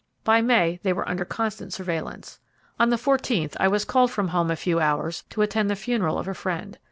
By May they were under constant surveillance. On the fourteenth I was called from home a few hours to attend the funeral of a friend.